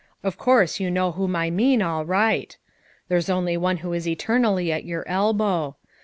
Of course you know whom I mean, all right. There's only one who is eternally at your elbow.